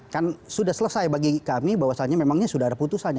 kan sudah selesai bagi kami bahwasannya memangnya sudah ada putusannya